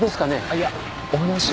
いやお話を。